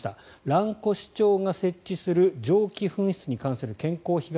蘭越町が設置する蒸気噴出に関する健康被害